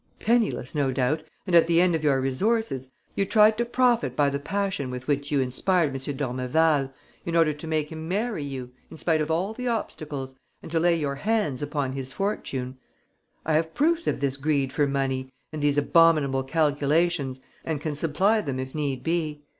Penniless, no doubt, and at the end of your resources, you tried to profit by the passion with which you inspired M. d'Ormeval in order to make him marry you, in spite of all the obstacles, and to lay your hands upon his fortune. I have proofs of this greed for money and these abominable calculations and can supply them if need be.